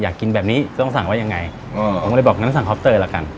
อยากกินแบบนี้ต้องสั่งว่ายังไงผมก็เลยบอกงั้นสั่งคอปเตอร์ละกัน